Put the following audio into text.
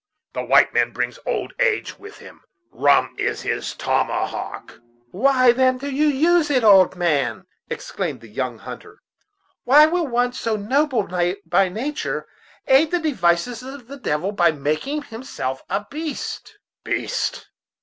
the white man brings old age with him rum is his tomahawk!" "Why, then, do you use it, old man?" exclaimed the young hunter; "why will one, so noble by nature, aid the devices of the devil by making himself a beast?" "Beast!